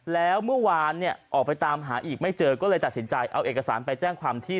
แล้วเมื่อวานเนี่ยออกไปตามหาอีกไม่เจอก็เลยตัดสินใจเอาเอกสารไปแจ้งความที่